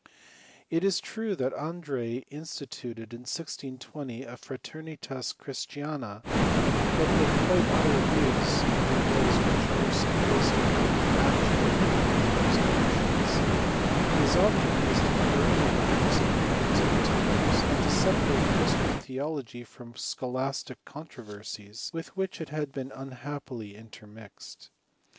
It is true that Andreae instituted, in 1620, a/ra^er nitas christifina, but with quite other views than those which are supposed to have actuated the Rosecrucians. His object was to correct the religious opinions of the times, and to separate Christian theology from scholastic controversies, with which it had been unhap pily intermixed.